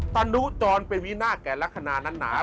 ตนุจรเป็นวินาศแก่ลักษณะนั้นหนา